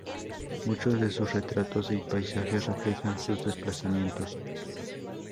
Muchos de sus retratos y paisajes reflejan sus desplazamientos.